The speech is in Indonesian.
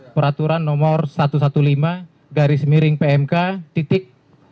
peraturan nomor satu ratus lima belas garis miring pmk titik